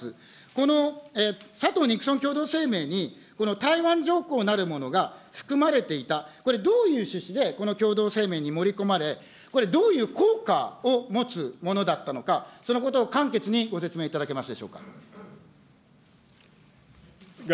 この佐藤・ニクソン共同声明にこの台湾条項なるものが含まれていた、これ、どういう趣旨でこの共同声明に盛り込まれ、これ、どういう効果を持つものだったのか、そのことを簡潔にご説明いただけますでしょうか。